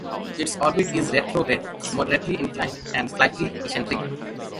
Its orbit is retrograde, moderately inclined and slightly eccentric.